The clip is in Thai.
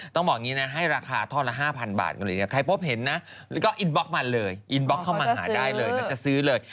ต้องบอกอย่างนี้นะให้ราคาท่อนละ๕๐๐๐บาทใครพบเห็นนะก็อินบล็อกมาเลยอินบล็อกเข้ามาหาได้เลยเขาจะซื้อเลย